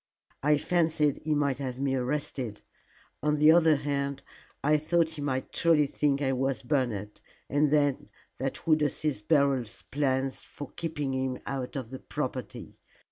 I fancied he might have me arrested. On the other hand, I thought he might truly think it was Bernard, and then that would assist Beryl's plans for keeping him out of the property.